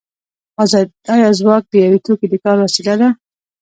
آیا ځواک د یو توکي د کار وسیله ده